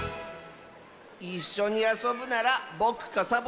いっしょにあそぶならぼくかサボさんだって。